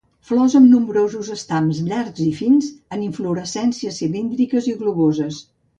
Flors amb nombrosos estams llargs i fins, en inflorescències cilíndriques o globoses.